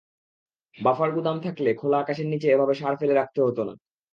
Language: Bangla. বাফার গুদাম থাকলে খোলা আকাশের নিচে এভাবে সার ফেলে রাখতে হতো না।